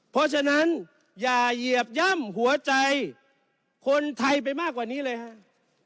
เพราะฉะนั้นอย่าเหยียบย่ำหัวใจคนไทยไปมากกว่านี้เลยครับ